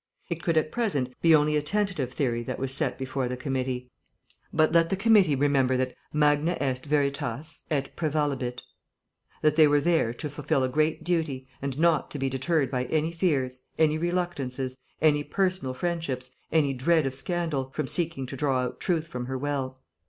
It could at present be only a tentative theory that was set before the committee; but let the committee remember that magna est veritas et prevalebit; that they were there to fulfil a great duty, and not to be deterred by any fears, any reluctances, any personal friendships, any dread of scandal, from seeking to draw out truth from her well.